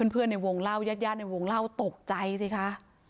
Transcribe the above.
ในวงเล่ายาดในวงเล่าตกใจสิคะ